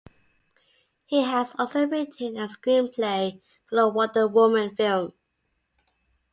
He has also written a screenplay for a "Wonder Woman" film.